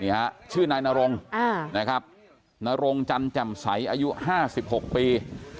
นี่ฮะชื่อนายนารงอ่านะครับนารงจันจ่ำใสอายุห้าสิบหกปี